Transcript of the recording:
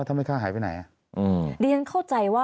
แต่ได้ยินจากคนอื่นแต่ได้ยินจากคนอื่น